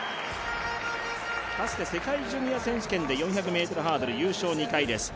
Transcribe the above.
かつて、世界ジュニア選手権で４００ｍハードル優勝２回です。